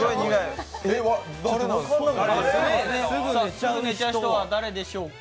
すぐ寝ちゃう人は誰でしょうか。